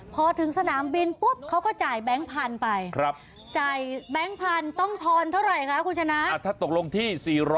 พอถึงสนามบินปุ๊บเขาก็จ่ายแบงค์พันทีไป